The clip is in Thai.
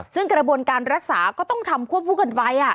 ซึ่งกระบวนการรักษาก็ต้องทำควบคู่กันไว้